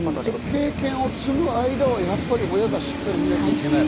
経験を積む間は親がしっかり見なきゃいけない。